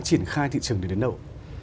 chỉnh khai thị trường đến đâu